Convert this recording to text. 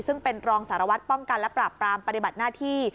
ซึ่งเป็นรองสารวัตรป้องกันและปราบปรามปฏิบัติหน้าที่